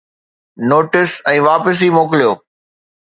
Notes ۽ واپسي موڪليو.